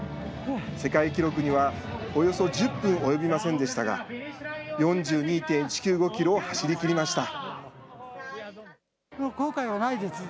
世界記録には、およそ１０分及びませんでしたが、４２．１９５キロを走りきりました。